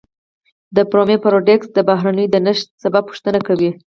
د فرمی پاراډوکس د بهرنیانو د نشت سبب پوښتنه کوي.